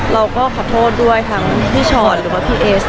เราก็ขอโทษด้วยทั้งพี่ชอตหรือว่าพี่เอส